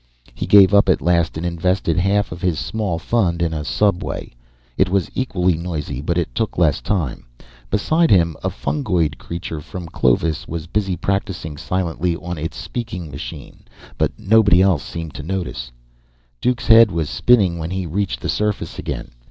He gave up at last and invested half his small fund in a subway. It was equally noisy, but it took less time. Beside him, a fungoid creature from Clovis was busy practicing silently on its speaking machine, but nobody else seeemed to notice. Duke's head was spinning when he reached the surface again.